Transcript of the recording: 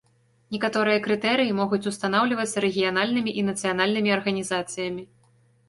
Некаторыя крытэрыі могуць устанаўлівацца рэгіянальнымі і нацыянальнымі арганізацыямі.